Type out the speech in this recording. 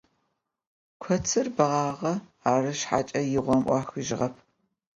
Kotsır beğuağe, arı şshaç'e yiğom 'uaxıjığep.